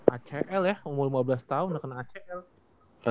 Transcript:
acl ya umur lima belas tahun udah kena acl